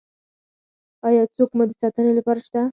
ایا څوک مو د ساتنې لپاره شته؟